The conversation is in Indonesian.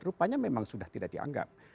rupanya memang sudah tidak dianggap